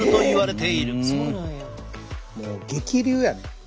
もう激流やね。